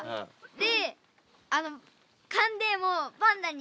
で？